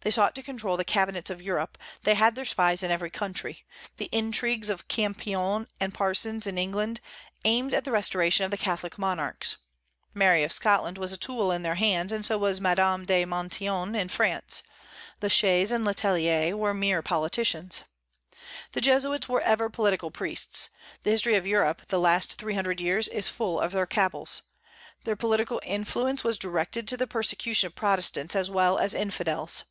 They sought to control the cabinets of Europe; they had their spies in every country. The intrigues of Campion and Parsons in England aimed at the restoration of Catholic monarchs. Mary of Scotland was a tool in their hands, and so was Madame de Maintenon in France. La Chaise and Le Tellier were mere politicians. The Jesuits were ever political priests; the history of Europe the last three hundred years is full of their cabals. Their political influence was directed to the persecution of Protestants as well as infidels.